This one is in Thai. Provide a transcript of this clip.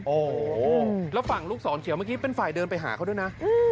โอ้โหแล้วฝั่งลูกศรเขียวเมื่อกี้เป็นฝ่ายเดินไปหาเขาด้วยนะ